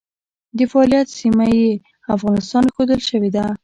د فعالیت سیمه یې افغانستان ښودل شوې ده.